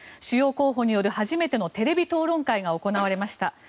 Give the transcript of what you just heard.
主要候補による初めてのテレビ討論会が行われました。